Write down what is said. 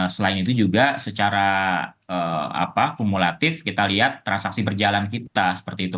selain itu juga secara kumulatif kita lihat transaksi berjalan kita seperti itu